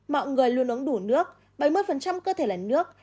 mọi người luôn uống đủ nước bảy mươi cơ thể là nước